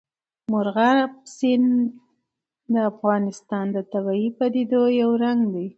مورغاب سیند د افغانستان د طبیعي پدیدو یو رنګ دی.